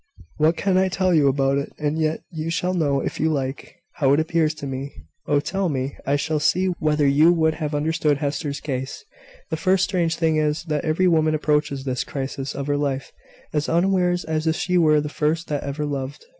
"What can I tell you about it? And yet, you shall know, if you like, how it appears to me." "Oh, tell me! I shall see whether you would have understood Hester's case." "The first strange thing is, that every woman approaches this crisis of her life as unawares as if she were the first that ever loved."